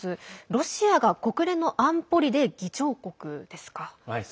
ロシアが国連の安保理で議長国ですか？